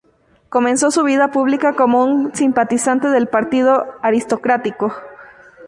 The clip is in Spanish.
Comenzó su vida pública como un simpatizante del partido aristocrático.